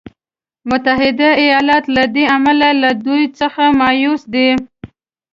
متحده ایالات له دې امله له دوی څخه مایوس دی.